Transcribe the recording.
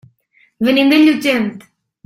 Venim de Llutxent.